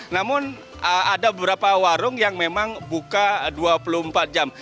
namun ada beberapa warung yang memang buka dua puluh empat jam